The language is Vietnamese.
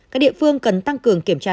các địa phương cần tăng cường kiểm tra